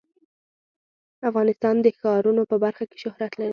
افغانستان د ښارونو په برخه کې شهرت لري.